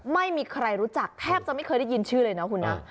ไม่มีใครรู้จักแทบจะไม่เคยได้ยินชื่อเลยนะคุณนะ